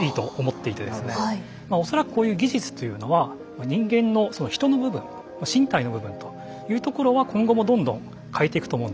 恐らくこういう技術というのは人間の人の部分身体の部分というところは今後もどんどん変えてくと思うんですよね。